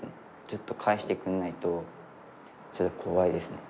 ずっと返してくれないとちょっと怖いですね。